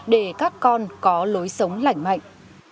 để các con có lối sống lảnh mạnh